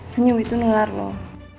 senyum itu nengar loh